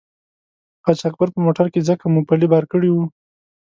قاچاقبر په موټر کې ځکه مومپلي بار کړي وو.